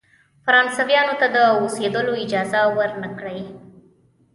فرانسویانو ته د اوسېدلو اجازه ورنه کړی.